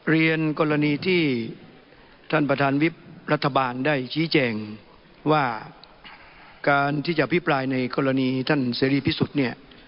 เรียนกรณีที่ท่านประธานวิบรัฐบาลได้ชี้แจงว่าการที่จะอภิปรายในกรณีท่านเสรีพิสุทธิ์เนี่ย